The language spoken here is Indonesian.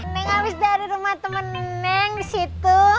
neng habis dari rumah temen neng disitu